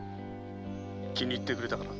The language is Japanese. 気に入ってくれたかな？